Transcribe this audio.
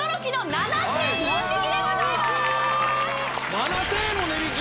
７０００円も値引き？